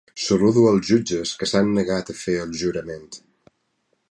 Saludo als jutges que s'han negat a fer el jurament.